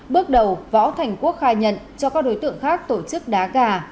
bước đầu võ thành quốc khai nhận cho các đối tượng khác tổ chức đá gà